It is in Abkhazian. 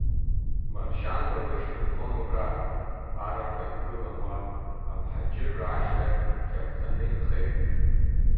Маршьан Бабышь дынхон убра, арақәагь гылан уа, амҳаџьырра ашьҭахь қьаԥҭаны инхеит.